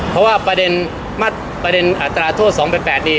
เพราะว่าประเด็นอัตราโทษเมื่อ๒๘นี่